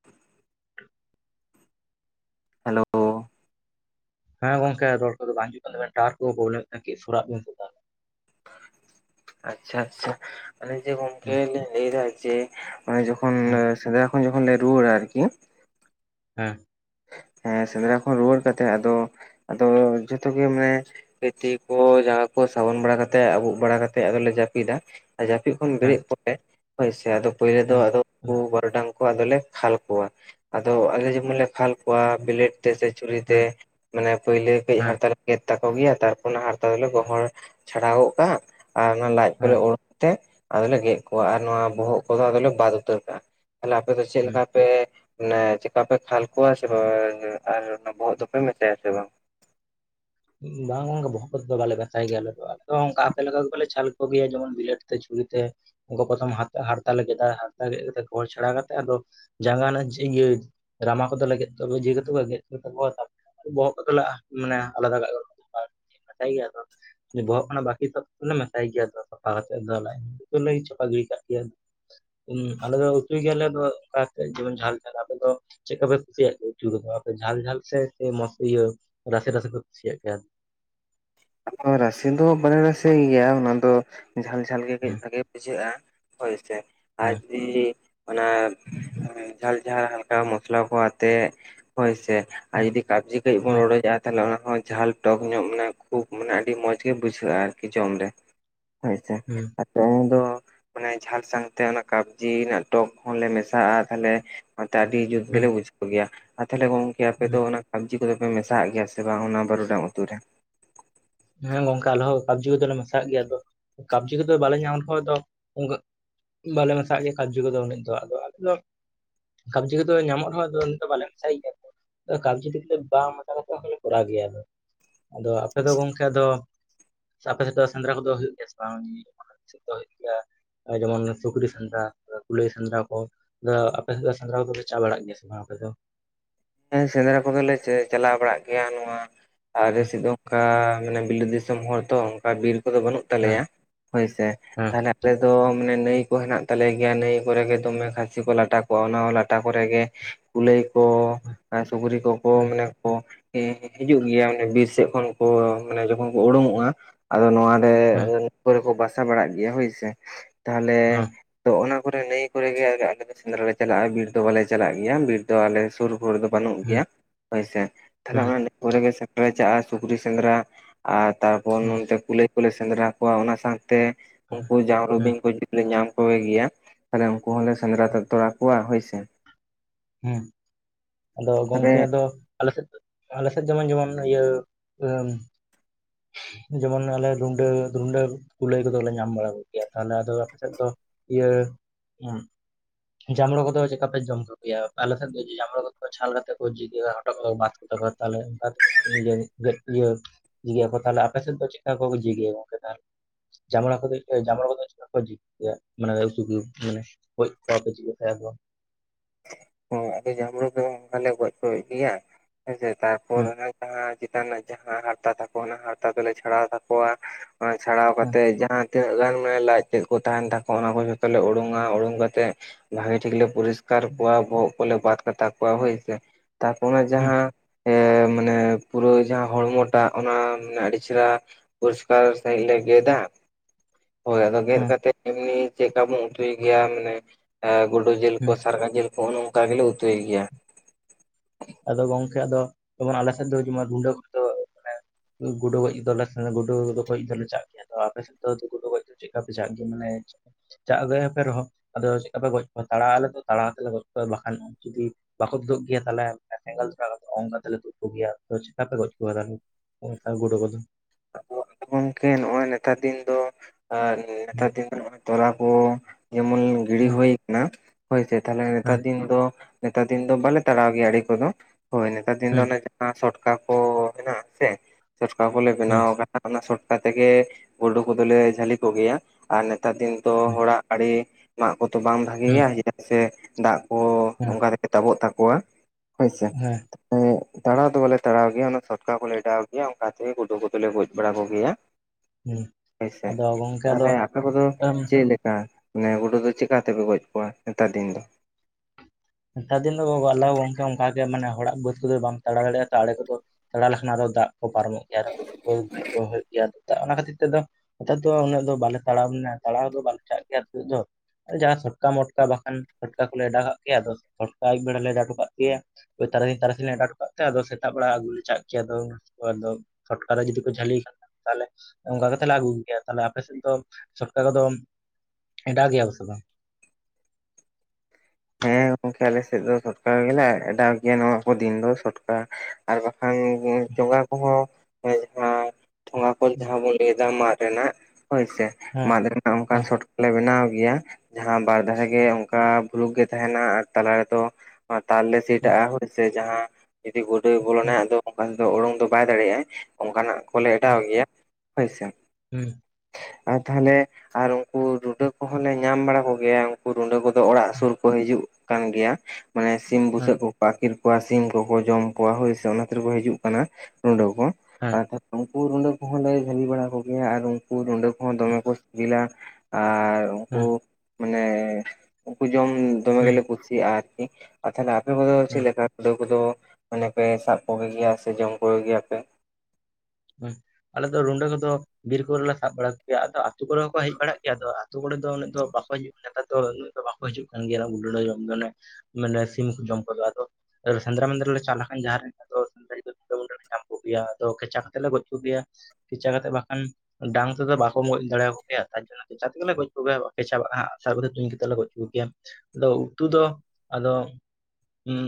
ᱦᱮᱞᱳ ᱳᱣ ᱦᱮᱸ ᱜᱚᱝᱠᱮ ᱨᱚᱲ ᱠᱚ ᱫᱚ ᱵᱟᱝ ᱦᱤᱡᱩᱜ ᱠᱟᱱ ᱛᱟᱵᱮᱱᱟ ᱴᱟᱣᱟᱨ ᱠᱚ ᱯᱨᱚᱵᱞᱮᱢ ᱮᱫ ᱛᱟᱵᱮᱱ ᱠᱟᱴᱤᱡ ᱥᱚᱨᱟᱜ ᱵᱮᱱ ᱥᱮᱪᱮᱫᱼᱟ᱾ ᱟᱪᱪᱷᱟ ᱟᱪᱪᱷᱟ ᱟᱞᱤᱧ ᱡᱮ ᱜᱚᱝᱠᱮ ᱦᱮᱸ ᱞᱤᱧ ᱞᱟᱹᱭᱫᱟ ᱡᱮ ᱚᱱᱮ ᱡᱚᱠᱷᱚᱱ ᱦᱮᱸ ᱠᱷᱚᱱ ᱥᱮᱸᱫᱽᱨᱟ ᱠᱷᱚᱱ ᱡᱚᱠᱷᱚᱱ ᱞᱮ ᱨᱩᱣᱟᱹᱲᱟ ᱟᱨᱠᱤ ᱦᱮᱸ ᱦᱮᱸ ᱥᱮᱸᱫᱽᱨᱟ ᱠᱷᱚᱱ ᱨᱩᱣᱟᱹᱲ ᱠᱟᱛᱮᱜ ᱟᱫᱚ ᱟᱫᱚ ᱡᱷᱚᱛᱚ ᱜᱮ ᱢᱟᱱᱮ ᱯᱮ ᱛᱤ ᱠᱚ ᱡᱟᱸᱜᱟ ᱠᱚ ᱥᱟᱵᱚᱱ ᱵᱟᱲᱟ ᱠᱟᱛᱮᱫ ᱟᱹᱵᱩᱜ ᱵᱟᱲᱟ ᱠᱟᱛᱮᱫ ᱟᱫᱚᱞᱮ ᱡᱟᱹᱯᱤᱫᱼᱟ᱾ ᱟᱨ ᱡᱟᱹᱯᱤᱫ ᱠᱷᱚᱱ ᱦᱮᱸ ᱦᱮᱸ ᱵᱮᱨᱮᱫ ᱯᱚᱨᱮ ᱦᱳᱭ ᱥᱮ ᱟᱫᱚ ᱯᱳᱭᱞᱳ ᱫᱚ ᱦᱮᱸ ᱟᱫᱚ ᱠᱚ ᱦᱮᱸ ᱵᱟᱨᱩᱰᱟᱝ ᱠᱚ ᱟᱫᱚᱞᱮ ᱠᱷᱟᱞ ᱠᱚᱣᱟ ᱟᱫᱚ ᱟᱞᱮ ᱡᱮᱢᱚᱱ ᱞᱮ ᱠᱷᱟᱞ ᱠᱚᱣᱟ ᱵᱤᱞᱮᱴ ᱛᱤ ᱛᱮ ᱥᱮ ᱪᱷᱩᱨᱤ ᱛᱮ ᱦᱮᱸ ᱢᱟᱱᱮ ᱯᱳᱭᱞᱳ ᱠᱟᱹᱡ ᱦᱮᱸ ᱦᱟᱨᱛᱟᱞᱮ ᱜᱮᱫ ᱛᱟᱠᱚ ᱜᱮᱭᱟ ᱛᱟᱨᱯᱚᱨ ᱚᱱᱟ ᱦᱟᱨᱛᱟ ᱫᱚᱞᱮ ᱜᱚᱦᱚᱲ ᱪᱷᱟᱰᱟᱣ ᱜᱚᱫ ᱠᱟᱜᱼᱟ ᱟᱨ ᱚᱱᱟ ᱞᱟᱡ ᱦᱮᱸ ᱦᱮᱸ ᱠᱚᱞᱮ ᱚᱨᱩᱛ ᱛᱮ ᱟᱫᱚᱞᱮ ᱜᱮᱫ ᱠᱚᱣᱟ ᱟᱨ ᱱᱚᱣᱟ ᱵᱚᱦᱚᱜ ᱠᱚᱫᱚ ᱟᱫᱚᱞᱮ ᱵᱟᱫ ᱩᱛᱟᱹᱨ ᱠᱟᱜᱼᱟ ᱛᱟᱦᱚᱞᱮ ᱟᱯᱮ ᱫᱚ ᱪᱮᱫ ᱞᱮᱠᱟ ᱟᱯᱮ ᱢᱟᱱᱮ ᱪᱮᱠᱟ ᱯᱮ ᱠᱷᱟᱞ ᱠᱚᱣᱟ ᱥᱮ ᱵᱟᱝ ᱟᱨ ᱵᱚᱦᱚᱜ ᱫᱚ ᱯᱮ ᱢᱮᱥᱟ ᱭᱟ ᱥᱮ ᱵᱟᱝ? ᱵᱟᱝ ᱟᱝᱠᱟ ᱵᱚᱦᱚᱜ ᱫᱚ ᱵᱟᱞᱮ ᱢᱮᱥᱟᱭ ᱜᱮᱭᱟᱞᱮ ᱟᱫᱚ ᱚᱱᱠᱟ ᱟᱯᱮ ᱞᱮᱠᱟ ᱜᱮ ᱪᱷᱟᱞ ᱠᱚ ᱜᱮᱭᱟ ᱡᱮᱢᱚᱱ ᱵᱤᱞᱟᱹᱰ ᱛᱮ ᱪᱷᱩᱨᱤ ᱛᱮ᱾ ᱚᱱᱠᱚ ᱯᱨᱚᱛᱷᱚᱢ ᱦᱟᱨᱛᱟ ᱞᱮ ᱜᱮᱫᱟ ᱦᱟᱨᱛᱟ ᱜᱮᱫ ᱠᱟᱛᱮ ᱚᱨ ᱪᱷᱟᱲᱟ ᱠᱟᱛᱮ ᱟᱫᱚ ᱡᱟᱸᱜᱟᱱᱟᱜ ᱡᱷᱤᱸᱜᱟ ᱨᱟᱢᱟ ᱠᱚᱫᱚ ᱞᱮ ᱜᱮᱫ ᱛᱟᱠᱚ ᱤᱭᱟ ᱛᱟᱠᱳᱣᱟ ᱜᱮᱫ ᱠᱮᱫ ᱛᱟᱠᱳᱣᱟ ᱛᱟᱯᱚᱨᱮ ᱵᱚᱦᱚᱜ ᱠᱚᱫᱚ ᱞᱮ ᱢᱟᱱᱮ ᱟᱞᱟᱫᱟ ᱠᱟᱜ [unintelligible] ᱜᱮᱭᱟ ᱛᱚ ᱮ ᱵᱚᱦᱚᱜ ᱠᱟᱱᱟ ᱵᱟᱠᱤ ᱛᱮᱫ ᱫᱚᱞᱮ ᱢᱮᱥᱟᱭ ᱜᱮᱭᱟ ᱥᱟᱯᱷᱟ ᱠᱟᱛᱮ ᱫᱚ ᱞᱟᱡ ᱠᱚᱫᱚᱞᱮ ᱪᱟᱯᱟᱜ ᱜᱤᱲᱤ ᱠᱟᱜ ᱜᱮᱭᱟ [inaudible] ᱦᱩᱸ ᱟᱞᱮ ᱫᱚ ᱩᱛᱩᱭ ᱜᱮᱭᱟᱞᱮ ᱟᱫᱚ ᱚᱝᱠᱟ ᱡᱮᱢᱚᱱ ᱡᱷᱟᱞ ᱡᱷᱟᱞ ᱟᱯᱮ ᱫᱚ ᱪᱮᱫᱠᱟ ᱯᱮ ᱠᱩᱥᱤᱭᱟᱜ ᱜᱮᱭᱟ ᱩᱛᱩ ᱠᱚᱫᱚ ᱟᱯᱮ ᱡᱷᱟᱞ ᱡᱷᱟᱞ ᱥᱮ ᱤᱭᱟᱹ ᱨᱟᱥᱮ ᱨᱟᱥᱮ ᱯᱮ ᱠᱩᱥᱤᱭᱟᱜ ᱜᱮᱭᱟ ᱨᱟᱥᱮ ᱫᱚ ᱵᱟᱞᱮ ᱨᱟᱥᱮ ᱜᱮᱭᱟ ᱚᱱᱟ ᱫᱚ ᱡᱷᱟᱞ ᱡᱷᱟᱞ ᱜᱮ ᱠᱟᱹᱡ ᱵᱷᱟᱜᱤ ᱵᱩᱡᱷᱟᱹᱜᱼᱟ ᱦᱳᱭ ᱥᱮ ᱟᱨ ᱦᱮᱸ ᱡᱩᱫᱤ ᱚᱱᱟ ᱡᱷᱟᱞ ᱡᱷᱟᱞ ᱦᱟᱞᱠᱟ ᱢᱚᱥᱞᱟ ᱠᱚ ᱟᱛᱮ ᱦᱳᱭ ᱥᱮ ᱟᱨ ᱦᱩᱸ ᱡᱩᱫᱤ ᱠᱟᱵᱽᱡᱤ ᱠᱟᱡ ᱵᱚᱱ ᱦᱩᱸ ᱨᱚᱰᱚᱡᱟᱜᱼᱟ ᱛᱟᱦᱚᱞᱮ ᱚᱱᱟᱦᱚᱸ ᱡᱷᱟᱞ ᱴᱚᱠ ᱧᱚᱜ ᱢᱮᱱᱟᱜᱼᱟ ᱠᱷᱩᱵ ᱢᱟᱱᱮ ᱟᱹᱰᱤ ᱢᱚᱸᱡᱽ ᱜᱮ ᱵᱩᱡᱷᱟᱹᱜᱼᱟ ᱟᱨᱠᱤ ᱡᱚᱢ ᱨᱮ ᱦᱳᱭ ᱥᱮ ᱦᱩᱸ [unintelligible] ᱫᱚ ᱮ ᱡᱷᱟᱞ ᱥᱟᱝᱛᱮ ᱚᱱᱟ ᱠᱟᱵᱽᱡᱤ ᱨᱮᱱᱟᱜ ᱴᱚᱠ ᱦᱚᱸᱞᱮ ᱢᱮᱥᱟᱜᱼᱟ ᱛᱟᱦᱞᱮ ᱚᱱᱟᱛᱮ ᱟᱹᱰᱤ ᱡᱩᱛ ᱜᱮᱞᱮ ᱵᱩᱡ ᱠᱚᱜᱮᱭᱟ ᱟᱨ ᱛᱟᱦᱚᱞᱮ ᱜᱚᱝᱠᱮ ᱟᱯᱮ ᱫᱚ ᱦᱮᱸ ᱚᱱᱟ ᱠᱟᱵᱽᱡᱤ ᱠᱚᱫᱚᱯᱮ ᱢᱮᱥᱟᱣᱟᱜ ᱜᱮᱭᱟ ᱥᱮ ᱵᱟᱝ ᱚᱱᱟ ᱵᱟᱹᱨᱩᱰᱟᱝ ᱩᱛᱩ ᱨᱮ ᱦᱮᱸ ᱜᱚᱝᱠᱮ ᱟᱞᱮ ᱦᱚᱸ ᱠᱟᱵᱽᱡᱤ ᱠᱚᱫᱚᱞᱮ ᱢᱮᱥᱟᱜ ᱜᱮᱭᱟ ᱟᱫᱚ ᱠᱟᱵᱽᱡᱤ ᱠᱚᱫᱚ ᱵᱟᱞᱮ ᱧᱟᱢ ᱞᱮᱠᱷᱟᱱ ᱫᱚ ᱩᱱ ᱫᱚ ᱵᱟᱞᱮ ᱢᱮᱥᱟᱣᱟᱜ ᱜᱮᱭᱟ ᱠᱟᱵᱡᱤ ᱠᱚᱫᱚ ᱩᱱᱟᱹᱜ ᱫᱚ ᱟᱫᱚ ᱟᱞᱮ ᱫᱚ ᱠᱟᱵᱽᱡᱤ ᱠᱚᱫᱚ ᱧᱟᱢᱚᱜ ᱨᱮᱦᱚᱸ ᱟᱫᱚ ᱱᱤᱛ ᱵᱟᱞᱮ ᱢᱮᱥᱟᱭ ᱜᱮᱭᱟ ᱠᱟᱵᱡᱤ ᱡᱩᱫᱤᱞᱮ ᱵᱟᱝ ᱢᱮᱥᱟ ᱠᱟᱛᱮ ᱦᱚᱸᱞᱮ ᱠᱚᱨᱟᱣ ᱜᱮᱭᱟ ᱟᱫᱚ, ᱟᱫᱚ ᱟᱯᱮ ᱫᱚ ᱜᱚᱝᱠᱮ ᱡᱟᱦᱟᱸ ᱫᱚ ᱟᱯᱮ ᱥᱮᱫ ᱫᱚ ᱥᱮᱸᱫᱽᱨᱟ ᱠᱚᱫᱚ ᱦᱩᱭᱩᱜ ᱜᱮᱭᱟ ᱥᱮ ᱵᱟᱝ [unintelligible] ᱥᱮᱫ ᱫᱚ ᱦᱩᱭᱩᱜ ᱜᱮᱭᱟ ᱟᱞᱮ ᱡᱮᱢᱚᱱ ᱥᱩᱠᱨᱤ ᱥᱮᱸᱫᱽᱨᱟ ᱠᱩᱞᱟᱹᱭ ᱥᱮᱸᱫᱽᱨᱟ ᱠᱚ ᱟᱫᱚ ᱟᱯᱮ ᱥᱮᱫ ᱫᱚ ᱥᱮᱸᱫᱽᱨᱟ ᱠᱚᱫᱚ ᱯᱮ ᱪᱟᱞᱟᱣ ᱵᱟᱲᱟᱜ ᱜᱮᱭᱟ ᱥᱮ ᱵᱟᱝ ᱟᱯᱮ ᱫᱚ ᱦᱮᱸ ᱥᱮᱸᱫᱽᱨᱟ ᱠᱚᱫᱚᱞᱮ ᱪᱟᱞᱟᱣ ᱵᱟᱲᱟᱜ ᱜᱮᱭᱟ ᱱᱚᱣᱟ, ᱟᱞᱮ ᱦᱮᱸ ᱥᱮᱫ ᱫᱚ ᱚᱝᱠᱟ ᱢᱟᱱᱮ ᱵᱤᱞᱟᱹᱛ ᱫᱤᱥᱚᱢ ᱦᱚᱲ ᱛᱚ ᱚᱱᱠᱟ ᱵᱤᱨ ᱠᱚᱫᱚ ᱵᱟᱹᱱᱩᱜ ᱦᱮᱸ ᱛᱟᱞᱮᱭᱟ ᱦᱳᱭ ᱥᱮ ᱦᱮᱸ ᱛᱟᱦᱚᱞᱮ ᱟᱞᱮ ᱫᱚ ᱢᱟᱱᱮ ᱱᱟᱹᱭ ᱠᱚ ᱦᱮᱱᱟᱜ ᱛᱟᱞᱮ ᱜᱮᱭᱟ ᱱᱟᱹᱭ ᱠᱚᱨᱮ ᱜᱮ ᱫᱚᱢᱮ ᱠᱷᱟᱹᱥᱤ ᱠᱚ ᱞᱟᱴᱟ ᱠᱚᱣᱟ ᱚᱱᱟ ᱞᱟᱴᱟ ᱠᱚᱨᱮ ᱜᱮ ᱠᱩᱞᱟᱹᱭ ᱠᱚ ᱟᱨ ᱥᱩᱠᱨᱤ ᱠᱚᱠᱚ ᱦᱮᱸ ᱢᱟᱱᱮ ᱠᱚ ᱮ ᱦᱤᱡᱩᱜ ᱜᱮᱭᱟ, ᱵᱤᱨ ᱥᱮᱫ ᱠᱷᱚᱱ ᱠᱚ ᱢᱟᱱᱮ ᱡᱚᱠᱷᱚᱱ ᱩᱲᱩᱝᱚᱜᱼᱟ ᱟᱫᱚ ᱱᱚᱣᱟ ᱨᱮ ᱦᱮᱸ ᱠᱚᱨᱮ ᱠᱚ ᱵᱟᱥᱟ ᱵᱟᱲᱟᱜ ᱜᱮᱭᱟ ᱦᱳᱭᱥᱮ ᱛᱟᱦᱞᱮ ᱦᱮᱸ ᱛᱚ ᱚᱱᱟ ᱠᱚᱨᱮ ᱱᱟᱹᱭ ᱠᱚᱨᱮ ᱜᱮ ᱟᱯᱮ ᱫᱚ ᱥᱮᱸᱫᱽᱨᱟ ᱞᱮ ᱪᱟᱞᱟᱜᱼᱟ ᱵᱤᱨ ᱫᱚ ᱵᱟᱞᱮ ᱪᱟᱞᱟᱜ ᱜᱮᱭᱟ, ᱵᱤᱨ ᱫᱚ ᱟᱞᱮ ᱥᱩᱨᱠᱚᱨᱮ ᱫᱚ ᱵᱟᱹᱱᱩᱜ ᱜᱮᱭᱟ ᱦᱳᱭᱥᱮ, ᱛᱟᱦᱚᱞᱮ ᱦᱮᱸ ᱚᱱᱟ ᱠᱚᱨᱮᱜᱮ ᱥᱮᱸᱫᱽᱨᱟ ᱞᱮ ᱪᱟᱜᱼᱟ ᱥᱩᱠᱨᱤ ᱥᱮᱸᱫᱽᱨᱟ ᱟᱨ ᱛᱟᱨᱯᱚᱨ ᱦᱮᱸ ᱱᱚᱱᱛᱮ ᱠᱩᱞᱟᱹᱭ ᱠᱚᱞᱮ ᱥᱮᱸᱫᱽᱨᱟ ᱠᱚᱣᱟ, ᱚᱱᱟ ᱥᱟᱶᱛᱮ ᱩᱱᱠᱩ ᱡᱟᱸᱣᱭᱩ ᱦᱮᱸ ᱵᱤᱧ ᱠᱚ ᱡᱩᱫᱤ ᱞᱮ ᱧᱟᱢ ᱠᱚᱭ ᱜᱮᱭᱟ ᱛᱟᱦᱚᱞᱮ ᱩᱱᱠᱩ ᱦᱚᱸᱞᱮ ᱥᱮᱸᱫᱽᱨᱟ ᱛᱚᱨᱟ ᱠᱚᱣᱟ ᱦᱳᱭᱥᱮ ᱦᱩᱸ ᱟᱫᱚ ᱛᱟᱦᱚᱞᱮ ᱜᱚᱝᱠᱮ ᱟᱫᱚ ᱟᱞᱮ ᱥᱮᱫ ᱫᱚ ᱟᱞᱮᱥᱮᱫ ᱫᱚ ᱡᱮᱢᱚᱱ ᱡᱮᱢᱚᱱ ᱤᱭᱟᱹ ᱡᱚᱢᱚᱱ ᱟᱞᱮ ᱨᱩᱸᱰᱟᱹ ᱨᱩᱸᱰᱟᱹ ᱠᱩᱞᱟᱹᱭ ᱠᱚᱫᱚᱞᱮ ᱧᱟᱢ ᱵᱟᱲᱟ ᱠᱚᱜᱮᱭᱟ, ᱛᱟᱦᱞᱮ ᱟᱫᱚ ᱟᱯᱮᱥᱮᱫ ᱫᱚ? ᱤᱭᱟᱹ [inaudible] ᱡᱟᱢᱲᱳ ᱠᱚᱫᱟ ᱪᱮᱠᱟᱯᱮ ᱡᱚᱢ ᱠᱚ ᱜᱮᱭᱟ, ᱟᱞᱮ ᱥᱮᱫ ᱫᱚ ᱡᱟᱢᱲᱳ ᱠᱚ ᱪᱷᱟᱞ ᱠᱟᱛᱮ ᱠᱚᱱᱦᱚᱴᱟᱜ ᱠᱚᱠᱚ ᱵᱟᱛ ᱛᱟᱠᱚᱣᱟ ᱛᱟᱦᱚᱞᱮ ᱚᱱᱟ ᱠᱟ ᱠᱟᱛᱮ ᱜᱮ ᱡᱟᱱᱤᱡ ᱜᱮᱫ ᱠᱷᱟᱺᱰᱤᱭᱟᱹ [unintelligible] ᱠᱚ ᱛᱟᱦᱚᱞᱮ ᱟᱯᱮᱥᱮᱫ ᱫᱚ ᱪᱮᱫᱠᱟ ᱠᱚ ᱜᱚᱡᱮ ᱜᱮᱭᱟ ᱜᱚᱝᱠᱮ ᱛᱟᱦᱞᱮ? ᱡᱟᱢᱵᱲᱟ ᱠᱚᱫᱚ ᱡᱟᱢᱲᱚ ᱠᱚᱫᱚ ᱪᱮᱜᱠᱟ [unintelligible] ᱢᱟᱱᱮ [unintelligible] ᱢᱟᱱᱮ ᱜᱚᱡ ᱠᱚᱣᱟ ᱠᱚ ᱟᱫᱚ ᱦᱩᱸ ᱡᱟᱢᱲᱩ ᱫᱚ ᱚᱱᱠᱟᱞᱮ ᱜᱚᱡ ᱠᱚ ᱜᱮᱭᱟ, ᱦᱮᱸᱥᱮ ᱛᱟᱨᱯᱚᱨ ᱦᱩᱸ ᱚᱱᱟ ᱡᱟᱦᱟᱸ ᱪᱮᱛᱟᱱ ᱨᱮᱱᱟᱜ ᱡᱟᱦᱟᱸ ᱦᱟᱨᱛᱟ ᱛᱟᱠᱚ ᱚᱱᱟ ᱦᱟᱨᱛᱟ ᱫᱚᱞᱮ ᱪᱷᱟᱲᱟᱣ ᱛᱟᱠᱚᱣᱟ᱾ ᱚᱱᱟ ᱪᱷᱟᱲᱟᱣ ᱦᱩᱸ ᱠᱟᱛᱮ ᱡᱟᱦᱟᱸ ᱛᱤᱱᱟᱹᱜ ᱜᱟᱱ ᱢᱟᱱᱮ ᱞᱟᱡᱽ ᱛᱮᱫ ᱠᱚ ᱛᱟᱦᱮᱱ ᱛᱟᱠᱚᱣᱟ ᱚᱱᱟ ᱠᱚ ᱡᱷᱚᱛᱚᱮ ᱞᱮ ᱩᱰᱩᱝ-ᱟ᱾ ᱩᱰᱩᱝ ᱠᱟᱛᱮ ᱵᱷᱟᱜᱤ ᱴᱷᱤᱠ ᱞᱮ ᱯᱩᱨᱤᱥᱠ ᱠᱟᱨ ᱠᱚᱣᱟ ᱵᱚᱦᱚᱜ ᱠᱚᱞᱮ ᱵᱟᱫ ᱠᱟ ᱛᱟᱠᱚᱣᱟ, ᱦᱳᱭᱥᱮ ᱛᱟᱯᱚᱨ ᱚᱱᱟ ᱦᱩᱸ ᱡᱟᱦᱟᱸ ᱮ ᱢᱟᱱᱮ ᱯᱩᱨᱟᱹ ᱡᱟᱦᱟᱸ ᱦᱚᱲᱢᱚ ᱴᱟᱜ ᱚᱱᱟ ᱢᱟᱱᱮ ᱟᱹᱰᱤ ᱪᱮᱦᱨᱟ ᱯᱩᱨᱤᱥᱠᱟᱨ ᱥᱟᱹᱦᱤᱡᱽ ᱞᱮ ᱜᱮᱫᱟ ᱦᱳᱭ ᱟᱫᱚ ᱜᱮᱫ ᱦᱩᱸ ᱠᱟᱛᱮᱜ ᱮᱢᱱᱤ ᱪᱮᱜᱽᱠᱟ ᱵᱚᱱ ᱩᱛᱩᱭ ᱜᱮᱭᱟ, ᱢᱟᱱᱮ ᱜᱩᱰᱩ ᱡᱤᱞ ᱦᱩᱸ ᱥᱟᱨᱜᱟ ᱡᱤᱞ ᱠᱚ ᱚᱱᱚᱝᱠᱟ ᱜᱮᱞᱮ ᱩᱛᱩᱭ ᱜᱮᱭᱟ ᱟᱫᱚ ᱜᱚᱝᱠᱮ ᱟᱫᱚ ᱡᱚᱢᱚᱱ ᱟᱞᱮᱥᱮᱫ ᱫᱚ ᱡᱮᱢᱚᱱ ᱨᱩᱸᱰᱟᱹ ᱠᱚᱫᱚ ᱜᱩᱰᱩ ᱜᱚᱡ ᱫᱚᱞᱮ ᱜᱩᱰᱩ ᱫᱚ ᱜᱚᱡ ᱫᱚᱞᱮ ᱪᱟᱜ ᱜᱮᱭᱟ᱾ ᱟᱯᱮ ᱥᱮᱫ ᱫᱚ ᱜᱩᱰᱩ ᱜᱚᱡ ᱪᱮᱜᱽᱠᱟ ᱯᱮ ᱪᱟᱜ ᱜᱮᱭᱟ? ᱢᱟᱱᱮ ᱪᱟᱜᱽ ᱜᱮᱭᱟ ᱯᱮ ᱨᱚᱦᱚ ᱟᱫᱚ ᱪᱮᱜᱽᱠᱟ ᱯᱮ ᱜᱚᱡ ᱠᱚᱣᱟ? ᱛᱟᱲᱟᱜ ᱟᱞᱮ ᱛᱟᱲᱟ ᱠᱟᱛᱮᱞᱮ ᱜᱚᱡ ᱠᱚᱣᱟ ᱵᱟᱠᱷᱟᱱ ᱡᱩᱫᱤ ᱵᱟᱠᱚ ᱛᱩᱫᱩᱜ ᱜᱮᱭᱟ ᱛᱟᱦᱚᱞᱮ ᱚᱝᱠᱟ ᱛᱮᱞᱮ ᱛᱩᱫᱽ ᱠᱚᱜᱮᱭᱟ, ᱟᱫᱚ ᱪᱮᱜᱽᱠᱚ ᱯᱮ ᱜᱚᱡᱽ ᱜᱩᱰᱩ ᱠᱚᱫᱚ? ᱜᱚᱝᱠᱮ ᱱᱚᱜᱚ-ᱭ ᱱᱮᱛᱟᱨ ᱫᱤᱱ ᱫᱚ ᱦᱮᱸ ᱱᱮᱛᱟᱨ ᱫᱤᱱ ᱫᱚ ᱱᱚᱜᱚ-ᱭ ᱛᱚᱨᱟ ᱠᱚ ᱡᱮᱢᱚᱱ ᱜᱤᱲᱤ ᱦᱮᱸ ᱦᱩᱭ ᱠᱟᱱᱟ, ᱦᱳᱭᱥᱮ ᱛᱟᱦᱞᱮ ᱱᱮᱛᱟᱨ ᱦᱮᱸ ᱫᱤᱱ ᱫᱚ ᱱᱮᱛᱟᱨ ᱫᱤᱱ ᱫᱚ ᱵᱟᱞᱮ ᱛᱟᱲᱟᱣ ᱜᱮᱭᱟ ᱟᱹᱲᱤ ᱠᱚᱫᱚ, ᱦᱳᱭ ᱱᱮᱛᱟᱨ ᱫᱤᱱ ᱫᱚ ᱦᱮᱸ ᱱᱮ ᱥᱚᱴᱠᱟ ᱠᱚ ᱦᱮᱱᱟᱜᱼᱟ ᱥᱮ, ᱪᱚᱴᱠᱟ ᱠᱚᱞᱮ ᱵᱮᱱᱟᱣ ᱟᱠᱟᱫ ᱟᱫᱚ ᱚᱱᱟ ᱥᱚᱴᱠᱟ ᱛᱮᱜᱮ, ᱜᱩᱰᱩ ᱠᱚᱫᱚᱞᱮ ᱡᱷᱟᱹᱞᱤ ᱠᱚᱜᱮᱭᱟ᱾ ᱟᱨ ᱱᱮᱛᱟᱨ ᱫᱤᱱ ᱫᱚ ᱦᱮᱸ ᱦᱚᱲᱟᱜ ᱟᱹᱲᱤ ᱢᱟᱜ ᱠᱚᱫᱚ ᱵᱟᱝ ᱵᱷᱟᱜᱮ ᱦᱮᱸ ᱜᱮᱭᱟ, ᱪᱮᱫᱟᱜ ᱥᱮ ᱫᱟᱜ ᱠᱚ ᱚᱱᱠᱟ ᱛᱮᱜᱮ ᱛᱟᱵᱚᱜ ᱛᱟᱠᱚᱣᱟ, ᱦᱳᱭ ᱥᱮ ᱦᱮᱸ ᱛᱟᱲᱟᱣ ᱫᱚ ᱵᱟᱞᱮ ᱛᱟᱲᱟᱣ ᱜᱮᱭᱟ, ᱚᱱᱟ ᱥᱚᱴᱠᱟ ᱠᱚᱞᱮ ᱮᱰᱟᱣ ᱜᱮᱭᱟ ᱚᱱᱠᱟ ᱛᱮᱜᱮ ᱜᱩᱰᱩ ᱠᱚᱫᱚᱞᱮ ᱜᱚᱡ ᱵᱟᱲᱟ ᱠᱚᱜᱮᱭᱟ᱾ ᱦᱮᱸ ᱦᱳᱭᱥᱮ ᱟᱫᱚ ᱜᱚᱝᱠᱮ ᱟᱫᱚ ᱛᱟᱦᱞᱮ ᱟᱯᱮ ᱠᱚᱫᱚ ᱟᱢ ᱪᱮᱜᱽ ᱞᱮᱠᱟ? ᱱᱮ ᱜᱩᱰᱩ ᱫᱚ ᱪᱮᱠᱟᱛᱮᱯᱮ ᱜᱚᱡᱽ ᱠᱚᱣᱟ ᱱᱮᱛᱟᱨ ᱫᱤᱱ ᱫᱚ? ᱱᱮᱛᱟᱨ ᱫᱤᱱ ᱫᱚ ᱜ ᱟᱞᱟ ᱜᱚᱝᱠᱮ ᱚᱝᱠᱟ ᱜᱮ, ᱢᱟᱱᱮ ᱦᱚᱲᱟᱜ ᱵᱟᱹᱫᱽ ᱠᱚᱫᱚ ᱵᱟᱢ ᱛᱟᱲᱟ ᱫᱟᱲᱮ ᱭᱟᱜᱼᱟ ᱛᱚ ᱟᱲᱮ ᱠᱚᱫᱚ ᱞᱮᱠᱷᱟᱱ ᱟᱫᱚ ᱫᱟᱜᱽ ᱠᱚ ᱯᱟᱨᱚᱢᱚᱜ ᱜᱮᱭᱟ ᱠᱚ ᱜᱟᱹᱭ ᱠᱚ ᱦᱩᱭᱩᱜ ᱜᱮᱭᱟ ᱛᱚ ᱚᱱᱟ ᱠᱷᱟᱹᱛᱤᱨ ᱛᱮᱫᱚ ᱱᱤᱛᱟᱨ ᱫᱚ ᱩᱱᱟᱹᱜ ᱫᱚ ᱵᱟᱞᱮ ᱛᱟᱲᱟᱢ ᱮᱱᱟ ᱛᱟᱲᱟᱣ ᱫᱚ ᱵᱟᱞᱮ ᱪᱟᱜᱽ ᱜᱮᱭᱟ ᱡᱚ ᱡᱟᱦᱟᱸ ᱴᱚᱴᱠᱟ, ᱢᱚᱴᱠᱟ, ᱵᱟᱠᱷᱟᱱ ᱴᱟᱴᱠᱟ ᱠᱚᱞᱮ ᱚᱰᱟᱣ ᱠᱟᱜ ᱠᱮᱭᱟ᱾ ᱟᱫᱚ ᱥᱷᱚᱴᱠᱟ ᱟᱹᱭᱩᱵ ᱵᱮᱲᱟ ᱞᱮ ᱟᱰᱟᱣ ᱦᱚᱴᱚ ᱠᱟᱜᱽ ᱠᱮᱭᱟ- ᱛᱟᱨᱟᱥᱤᱧ ᱛᱟᱨᱟᱥᱤᱧ ᱞᱮ ᱟᱰᱟᱣ ᱦᱚᱴᱚ ᱠᱟᱜ ᱠᱟᱜᱽ ᱛᱮ ᱥᱮᱟᱜ ᱵᱮᱲᱟ ᱟᱹᱜᱩ ᱞᱮ ᱪᱟᱜ ᱠᱮᱭᱟ ᱟᱫᱚ ᱦᱳᱭ ᱫᱚ ᱪᱚᱴᱠᱟ ᱨᱮ ᱡᱩᱫᱤ ᱠᱚ ᱡᱷᱟᱹᱞᱤ ᱠᱷᱟᱱ ᱛᱟᱦᱚᱞᱮ ᱚᱱᱠᱟ ᱠᱟᱛᱮᱜ ᱞᱮ ᱟᱹᱜᱩ ᱠᱚ ᱜᱮᱭᱟ᱾ ᱛᱟᱦᱞᱮ ᱟᱯᱮ ᱥᱮᱫ ᱫᱚ ᱥᱚᱴᱠᱟ ᱠᱚᱫᱚ ᱮᱰᱟᱣ ᱜᱮᱭᱟ ᱵᱮᱥᱮ ᱵᱟᱝ? ᱦᱮᱸᱣ ᱜᱚᱠᱮ ᱟᱞᱮᱥᱮᱫ ᱫᱚ ᱥᱚᱴᱠᱟ ᱜᱮᱞᱮ ᱮᱰᱟᱣ ᱜᱮᱭᱟ, ᱱᱚᱣᱟ ᱠᱚ ᱫᱤᱱ ᱫᱚ ᱥᱚᱴᱠᱟ ᱟᱨ ᱵᱟᱠᱷᱟᱱ ᱪᱚᱸᱜᱟ ᱩᱱᱠᱩ ᱦᱚᱸ ᱚᱱᱮ ᱡᱟᱦᱟᱸᱭ ᱚᱱᱟ ᱠᱚ ᱡᱟᱦᱟᱸ ᱵᱚᱱ ᱞᱟᱹᱭ ᱮᱫᱟ ᱢᱟᱨᱮᱱᱟᱜ ᱦᱳᱭ ᱥᱮ ᱦᱮᱸ ᱢᱟᱫᱮᱱ ᱚᱱᱠᱟᱱ ᱦᱮᱸ ᱥᱚᱴ ᱠᱚᱞᱮ ᱵᱮᱱᱟᱣ ᱜᱮᱭᱟ ᱡᱟᱦᱟᱸ ᱵᱟᱨ ᱫᱷᱟᱨᱮ ᱜᱮ ᱚᱱᱠᱟ ᱯᱷᱩᱞᱤᱠ ᱜᱮ ᱛᱟᱦᱮᱱᱟ ᱟᱨ ᱛᱟᱞᱟ ᱨᱮᱫᱚ ᱛᱟᱨ ᱞᱮ ᱦᱮᱸ ᱥᱮᱴᱟᱜ-ᱟ ᱦᱳᱭ ᱥᱮ ᱡᱟᱦᱟᱸ ᱡᱩᱫᱤ ᱜᱩᱰᱩᱭ ᱵᱚᱞᱚᱱᱟ ᱦᱮᱸ ᱟᱫᱚ ᱚᱱᱠᱟ ᱛᱮᱫᱚ ᱩᱰᱩᱝ ᱫᱚ ᱵᱟᱭ ᱫᱟᱲᱮᱭᱟᱜ-ᱟ ᱚᱱᱠᱟᱱᱟᱜ ᱠᱚᱞᱮ ᱮᱰᱟᱣ ᱜᱮᱭᱟ ᱾ ᱦᱚᱭ ᱥᱮ ᱦᱩᱸ ᱟᱨ ᱛᱟᱦᱞᱮ ᱟᱨ ᱩᱱᱠᱩ ᱨᱩᱸᱰᱟᱹ ᱠᱚᱦᱚᱸ ᱞᱮ ᱧᱟᱢ ᱵᱟᱲᱟ ᱠᱚ ᱜᱮᱭᱟ ᱩᱱᱠᱩ ᱨᱩᱰᱟᱹ ᱠᱚᱫᱚ ᱚᱲᱟᱜ ᱦᱮᱸ ᱥᱩᱨ ᱠᱚ ᱦᱤᱡᱩᱜ ᱠᱟᱱ ᱜᱮᱭᱟ ᱢᱟᱱᱮ ᱥᱤᱢ ᱦᱮᱸ ᱵᱩᱥᱟᱹᱜ ᱠᱚ ᱟᱠᱤᱨ ᱠᱚᱣᱟ ᱥᱤᱢ ᱠᱚᱠᱚ ᱡᱚᱢ ᱠᱚᱣᱟ ᱦᱳᱭ ᱥᱮ ᱚᱱᱟ ᱠᱷᱟᱹᱛᱤᱨ ᱠᱚ ᱦᱤᱡᱩᱜ ᱠᱟᱱᱟ ᱨᱩᱰᱟᱹ ᱠᱚ ᱦᱮᱸ ᱟᱫᱚ ᱛᱟᱦᱚᱞᱮ ᱩᱱᱠᱩ ᱨᱩᱸᱰᱟᱹ ᱠᱚᱦᱚᱸ ᱞᱮ ᱡᱷᱟᱞᱤ ᱵᱟᱲᱟ ᱠᱚᱜᱮᱭᱟ ᱟᱨ ᱩᱱᱠᱩ ᱨᱩᱸᱰᱟᱹ ᱠᱚᱦᱚᱸ ᱫᱚᱢᱮ ᱠᱚ ᱥᱤᱵᱤᱞᱟ ᱟᱨ ᱩᱱᱠᱩ ᱦᱮᱸ ᱢᱟᱱᱮ ᱩᱱᱠᱩ ᱡᱚᱢ ᱫᱚᱢᱮ ᱦᱮᱸ ᱜᱮᱞᱮ ᱠᱩᱥᱤᱭᱟᱜ-ᱟ ᱟᱨᱠᱤ ᱟᱨ ᱛᱟᱦᱚᱞᱮ ᱟᱯᱮ ᱠᱚᱫᱚ ᱪᱮᱫ ᱦᱮᱸ ᱞᱮᱠᱟ ᱨᱩᱸᱰᱟᱹ ᱠᱚᱫᱚ ᱢᱟᱱᱮ ᱯᱮ ᱥᱟᱵ ᱠᱚᱜᱮ ᱜᱮᱭᱟ ᱥᱮ ᱡᱚᱢ ᱠᱚᱜᱮ ᱜᱮᱭᱟ ᱯᱮ ᱦᱮᱸ ᱟᱞᱮ ᱫᱚ ᱨᱩᱸᱰᱟᱹ ᱠᱚᱫᱚ ᱵᱤᱨ ᱠᱚ ᱨᱮᱞᱮ ᱥᱟᱵ ᱵᱟᱲᱟ ᱠᱚ ᱜᱮᱭᱟ ᱟᱫᱚ ᱟ ᱟᱹᱛᱩ ᱠᱚᱨᱮ ᱦᱚᱸᱠᱚ ᱦᱮᱡ ᱵᱟᱲᱟᱜ ᱜᱮᱭᱟ ᱟᱫᱚ ᱟᱛᱳ ᱠᱚᱨᱮ ᱫᱚ ᱩᱱᱟᱹᱜ ᱫᱚ ᱵᱟᱠᱚ ᱦᱤᱡᱩᱜ ᱱᱮᱛᱟᱨ ᱫᱚ ᱩᱱᱟᱹᱜ ᱫᱚ ᱵᱟᱠᱚ ᱦᱤᱡᱩᱜ ᱠᱟᱱ ᱜᱮᱭᱟ ᱡᱚᱢ ᱫᱚ ᱢᱟᱱᱮ ᱥᱤᱢ ᱡᱚᱢ ᱠᱚᱫᱚ ᱟᱫᱚ ᱥᱮᱸᱫᱽᱨᱟ ᱢᱮᱸᱫᱨᱟ ᱞᱮ ᱪᱟᱞ ᱞᱮᱠᱷᱟᱱ ᱡᱟᱦᱟᱸ ᱨᱮ ᱟᱫᱚ ᱩᱱ ᱨᱮᱞᱮ ᱧᱟᱢ ᱠᱚ ᱜᱮᱭᱟ ᱟᱫᱚ ᱠᱷᱮᱸᱪᱟ ᱦᱟᱸᱜ ᱛᱮᱞᱮ ᱜᱚᱡ ᱠᱚ ᱜᱮᱭᱟ ᱠᱷᱮᱸᱪᱟ ᱠᱟᱛᱮ ᱵᱟᱠᱷᱟᱱ ᱰᱟᱝ ᱛᱮᱫᱚ ᱵᱟᱠᱚ ᱜᱚᱡ ᱫᱟᱲᱮᱭᱟᱠᱚ ᱠᱮᱭᱟ ᱛᱟᱨᱡᱚᱱᱱᱚ ᱠᱷᱮᱸᱪᱟ ᱛᱮᱜᱮ ᱞᱮ ᱜᱚᱡ ᱠᱚ ᱜᱮᱭᱟ ᱟᱜ ᱥᱟᱨ ᱠᱚᱛᱮ ᱛᱩᱧ ᱠᱟᱛᱮ ᱞᱮ ᱜᱚᱡ ᱠᱚ ᱜᱮᱭᱟ ᱟᱫᱚ ᱩᱛᱩ ᱫᱚ ᱟᱫᱚ ᱩᱸ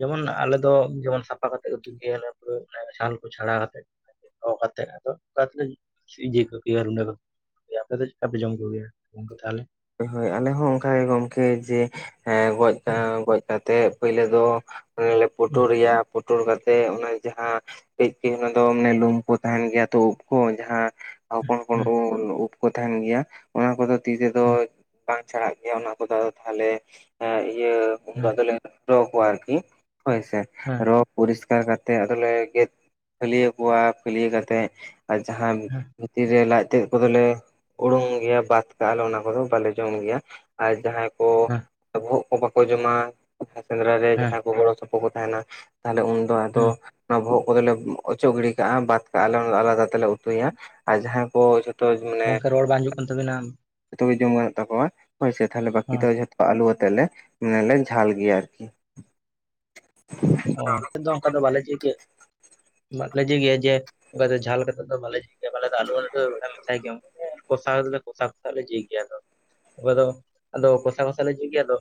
ᱡᱮᱢᱚᱱ ᱟᱞᱮ ᱫᱚ ᱡᱮᱢᱚᱱ ᱥᱟᱯᱷᱟ ᱠᱟᱛᱮ ᱩᱛᱩᱭ ᱜᱮᱭᱟ ᱞᱮ ᱡᱮᱢᱚᱱ ᱪᱷᱟᱞ ᱠᱚ ᱪᱷᱟᱰᱟᱣ ᱠᱟᱛᱮ ᱠᱚ ᱠᱟᱛᱮ ᱟᱫᱚ ᱚᱱᱠᱟ ᱛᱮᱞᱮ ᱤᱭᱟᱹ ᱠᱚ ᱜᱮᱭᱟ ᱨᱩᱸᱰᱟᱹ ᱫᱚ ᱫᱤᱭᱮ ᱟᱯᱮ ᱫᱚ ᱪᱮᱫ ᱠᱟ ᱯᱮ ᱡᱚᱢ ᱠᱚ ᱜᱮᱭᱟ ᱜᱚᱢᱠᱮ ᱛᱟᱦᱚᱞᱮ ᱦᱳᱭ ᱟᱞᱮ ᱦᱚᱸ ᱚᱱᱠᱟ ᱜᱮ ᱜᱚᱢᱠᱮ ᱡᱮ ᱜᱚᱡ ᱦᱩᱸ, ᱜᱚᱡ ᱠᱟᱛᱮ ᱯᱳᱭᱞᱳ ᱫᱚ ᱦᱮ ᱦᱩᱸ, ᱯᱩᱴᱩᱨ ᱮᱭᱟ ᱯᱩᱴᱩᱨ ᱠᱟᱛᱮ ᱚᱱᱮ ᱡᱟᱦᱟᱸ ᱠᱟᱹᱡ ᱠᱟᱹᱡ ᱚᱱᱟ ᱫᱚ ᱞᱩᱢ ᱠᱚ ᱛᱟᱦᱮᱱ ᱜᱮᱭᱟ ᱛᱚ ᱩᱵ ᱠᱚ ᱡᱟᱦᱟᱸ, ᱦᱚᱯᱚᱱ ᱦᱩᱸ, ᱦᱚᱯᱚᱱ ᱩᱵ ᱠᱚ ᱛᱟᱦᱮᱱ ᱜᱮᱭᱟ ᱚᱱᱟ ᱠᱚᱫᱚ ᱛᱤ ᱛᱮᱫᱚ ᱦᱩᱸ, ᱵᱟᱝ ᱪᱷᱟᱰᱟᱜ ᱜᱮᱭᱟ ᱚᱱᱟ ᱠᱚᱫᱚ ᱟᱫᱚ ᱛᱟᱦᱚᱞᱮ ᱤᱭᱟᱹ ᱩᱱᱫᱚ ᱦᱩᱸ, ᱟᱫᱚ ᱞᱮ ᱨᱚ ᱠᱚᱣᱟ ᱟᱨᱠᱤ ᱦᱳᱭ ᱥᱮ ᱦᱩᱸ, ᱨᱚ ᱯᱚᱨᱤᱥᱠᱟᱨ ᱠᱟᱛᱮᱫ ᱟᱫᱚ ᱞᱮ ᱜᱮᱫ ᱯᱷᱟᱹᱞᱭᱟᱹ ᱠᱚᱣᱟ ᱯᱷᱟᱹᱞᱭᱟᱹ ᱠᱟᱛᱮ, ᱟᱨ ᱡᱟᱦᱟᱸ ᱵᱷᱤᱛᱤᱨ ᱨᱮ ᱞᱟᱡ ᱛᱮᱫ ᱠᱚᱫᱚ ᱞᱮ ᱩᱰᱩᱝ ᱜᱮᱭᱟ ᱵᱟᱫ ᱠᱟᱜ ᱟᱞᱮ ᱚᱱᱟ ᱠᱚᱫᱚ᱾ ᱵᱟᱞᱮ ᱡᱚᱢ ᱜᱮᱭᱟ ᱟᱨ ᱡᱟᱦᱟᱸᱭ ᱠᱚ ᱵᱚᱦᱚᱜ ᱠᱚ ᱵᱟᱠᱚ ᱡᱚᱢᱟ, ᱵᱟᱝᱠᱷᱟᱱ ᱥᱮᱸᱫᱽᱨᱟ ᱨᱮ ᱦᱩᱸ, ᱡᱟᱦᱟᱸᱭ ᱦᱩᱸ, ᱠᱚ ᱜᱚᱲᱚ ᱥᱚᱯᱚᱦᱚᱫ ᱠᱚ ᱛᱟᱦᱮᱱᱟ ᱛᱟᱦᱞᱮ ᱩᱱᱫᱚ ᱟᱫᱚ, ᱦᱩᱸ, ᱚᱱᱟ ᱵᱚᱦᱚᱜ ᱠᱚᱫᱚᱞᱮ ᱚᱪᱚᱜ ᱜᱤᱰᱤ ᱠᱟᱜ-ᱟ ᱵᱟᱫ ᱠᱟᱜ ᱟᱮᱞ ᱚᱱᱟ ᱫᱚ ᱟᱞᱟᱫᱟ ᱛᱮᱞᱮ ᱩᱛᱩᱭᱟ ᱟᱨ ᱡᱟᱦᱟᱸᱭ ᱠᱚ ᱜᱚᱢᱠᱮ ᱨᱚᱲ ᱵᱟᱝ ᱦᱤᱡᱩᱜ ᱠᱟᱱ ᱛᱟᱵᱤᱱᱟ᱾ ᱡᱷᱚᱛᱚ ᱜᱮ ᱡᱚᱢ ᱜᱟᱱᱚᱜ ᱛᱟᱠᱚᱣᱟ ᱦᱳᱭ ᱥᱮ ᱛᱟᱦᱚᱞᱮ ᱵᱟᱹᱠᱤ ᱫᱚ ᱡᱷᱚ ᱟᱹᱞᱩ ᱟᱛᱮ ᱞᱮ, ᱞᱮ ᱡᱷᱟᱞ ᱜᱮᱭᱟ ᱟᱨᱠᱤ᱾ ᱚ ᱟᱞᱮ ᱫᱚ ᱚᱱᱠᱟ ᱫᱚ ᱵᱟᱞᱮ [unintelligible] ᱜᱮᱭᱟ ᱡᱮ ᱚᱱᱠᱟ ᱫᱚ ᱡᱷᱟᱞ ᱠᱟᱛᱮ ᱫᱚ ᱵᱟᱞᱮ ᱡᱚᱢ ᱜᱮᱭᱟ ᱟᱞᱮ ᱫᱚ ᱟᱞᱩ ᱴᱟᱞᱩ ᱫᱚ ᱵᱟᱞᱮ ᱢᱮᱥᱟᱭ ᱜᱮᱭᱟ᱾ ᱠᱚᱥᱟᱣ ᱫᱚᱞᱮ ᱠᱚᱥᱟᱣ ᱠᱚᱥᱟᱣ ᱞᱮ ᱡᱤ ᱜᱮᱭᱟ ᱟᱫᱚ ᱟᱞᱮ ᱫᱚ ᱟᱫᱚ ᱠᱚᱥᱟᱣ ᱠᱚᱥᱟᱣ ᱞᱮ ᱡᱤ ᱜᱮᱭᱟ ᱟᱫᱚ,